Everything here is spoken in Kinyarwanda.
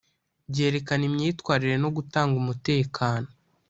Byerekana imyitwarire no gutanga umutekano